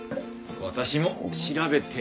私も調べてみます！